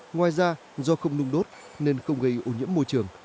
ngoài ra do không nung đốt nên không gây ô nhiễm môi trường